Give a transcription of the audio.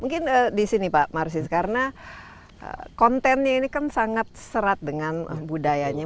mungkin di sini pak marsis karena kontennya ini kan sangat serat dengan budayanya